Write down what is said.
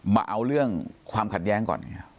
มาเอาเรื่องความขัดแย้งก่อน